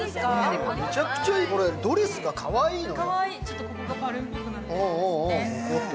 めちゃくちゃいい、これ、ドレスがかわいいよ。